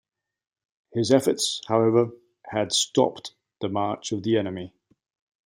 His efforts, however, had stopped the march of the enemy.